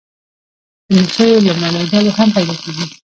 د مچیو لومړنۍ ډلې هم پیدا کیږي